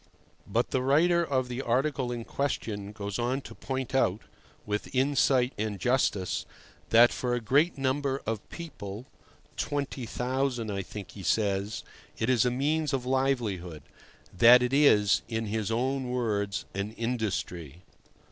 But the writer of the article in question goes on to point out, with insight and justice, that for a great number of people (20,000, I think he says) it is a means of livelihood—that it is, in his own words, an industry.